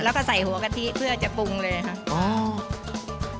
แล้วก็ใส่หัวกะทิเพื่อจะปรุงเลยค่ะ